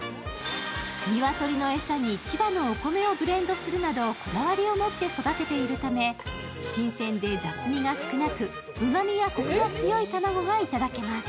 鶏の餌に千葉のお米をブレンドするなどこだわりを持って育ているため新鮮で雑味が少なくうまみやコクが強い卵がいただけます。